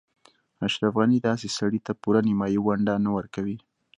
اشرف غني داسې سړي ته پوره نیمايي ونډه نه ورکوي.